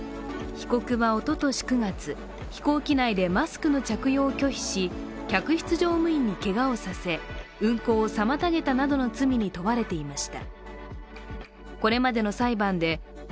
被告はおととし９月飛行機内でマスクの着用を拒否し客室乗務員にけがをさせ運航を妨げたなどの罪に問われていました。